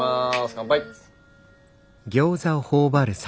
乾杯！